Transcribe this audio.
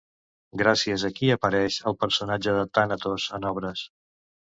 Gràcies a qui apareix el personatge de Tànatos en obres?